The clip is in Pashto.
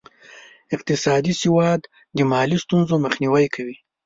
اقتصادي سواد د مالي ستونزو مخنیوی کوي.